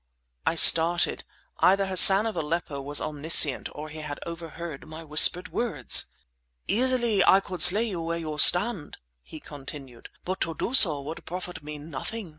I started. Either Hassan of Aleppo was omniscient or he had overheard my whispered words! "Easily I could slay you where you stand!" he continued. "But to do so would profit me nothing.